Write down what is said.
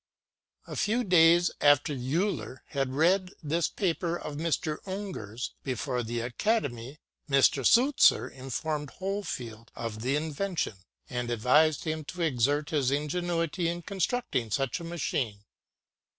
A few days after Euler had read this paper of Mr. UngerŌĆÖs before the Academy, Mr. Sulzer informed Hohlfeld of the invention, and advised him to exert his ingenuity in constructing such a machine.